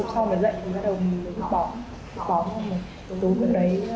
xong rồi dậy bắt đầu bỏ bỏ một đối với đấy